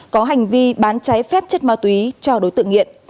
có hành vi bán trái phép chất ma túy cho đối tượng nghiện